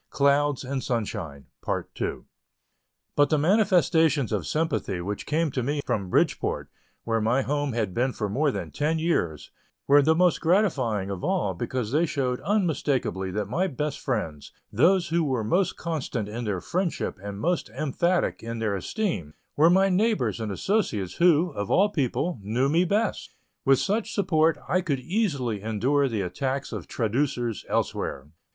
Yours, very truly, B. P. SHILLABER. But the manifestations of sympathy which came to me from Bridgeport, where my home had been for more than ten years, were the most gratifying of all, because they showed unmistakably that my best friends, those who were most constant in their friendship and most emphatic in their esteem, were my neighbors and associates who, of all people, knew me best. With such support I could easily endure the attacks of traducers elsewhere.